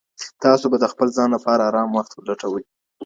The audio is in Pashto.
تاسو به د خپل ځان لپاره ارام وخت لټوئ.